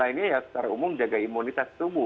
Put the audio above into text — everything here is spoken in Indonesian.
ini ya secara umum jaga imunitas tubuh